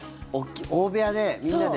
大部屋で、みんなで。